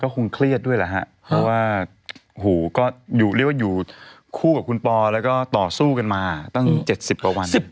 คงเครียดด้วยแหละฮะเพราะว่าหูก็เรียกว่าอยู่คู่กับคุณปอแล้วก็ต่อสู้กันมาตั้ง๗๐กว่าวัน